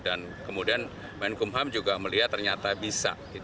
dan kemudian menkumham juga melihat ternyata bisa